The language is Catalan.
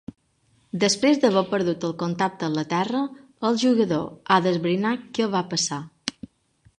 Després d'haver perdut el contacte amb la Terra, el jugador ha d'esbrinar què va passar.